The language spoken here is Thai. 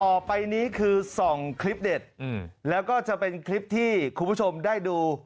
ออกไปนี้คือส่องคลิปเด็ดแล้วก็จะเป็นคลิปที่คุณผู้ชมได้ดู